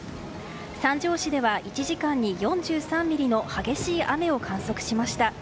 三条市では１時間に４３ミリの激しい雨を観測しました。